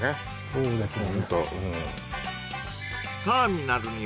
そうですね